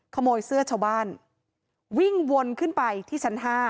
ขโมยเสื้อชาวบ้านวิ่งวนขึ้นไปที่ชั้น๕